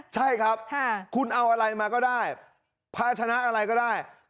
ใช่ครับคุณเอาอะไรมาก็ได้ภาชนะอะไรก็ได้